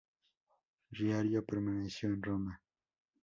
Riario permaneció en Roma.